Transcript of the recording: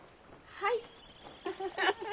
はい。